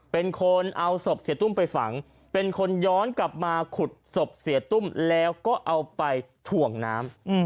เป็นคนเอาศพเสียตุ้มไปฝังเป็นคนย้อนกลับมาขุดศพเสียตุ้มแล้วก็เอาไปถ่วงน้ำ